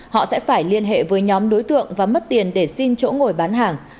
họ sẽ phải liên hệ với nhóm đối tượng và mất tiền để xin chỗ ngồi bán hàng